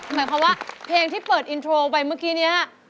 หมายความว่าเพลงที่เปิดอินโทรไปเมื่อกี้นี้